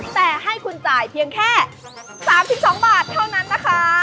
แต่ให้คุณจ่ายเพียงแค่๓๒บาทเท่านั้นนะคะ